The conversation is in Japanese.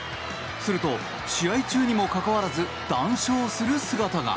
すると試合中にもかかわらず談笑する姿が。